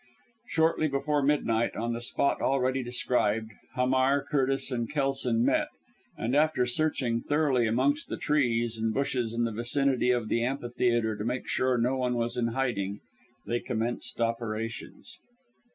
Shortly before midnight, on the spot already described, Hamar, Curtis and Kelson met; and, after searching thoroughly amongst the trees and bushes in the vicinity of the amphitheatre to make sure no one was in hiding, they commenced operations.